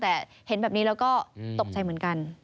แต่เห็นแบบนี้แล้วก็ตกใจเหมือนกัน